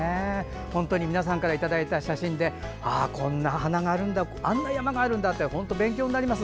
本当に皆さんからいただいた写真でこんな花があるんだあんな山があるんだと本当に勉強になります。